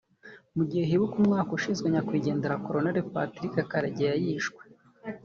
Mu gihe hibukwa umwaka ushize nyakwigendera Colonel Patrick Karegeya yishwe